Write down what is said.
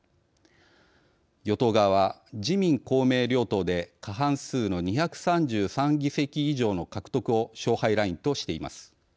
与党側は自民・公明両党で過半数の２３３議席以上の獲得を勝敗ラインとしています。